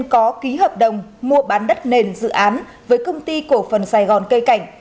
có ký hợp đồng mua bán đất nền dự án với công ty cổ phần sài gòn cây cảnh